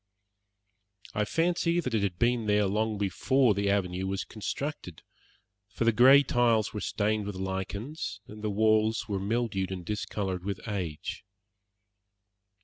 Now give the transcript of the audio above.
I fancy that it had been there long before the avenue was constructed, for the grey tiles were stained with lichens, and the walls were mildewed and discoloured with age.